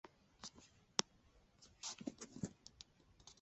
大叶川柃为山茶科柃木属下的一个变种。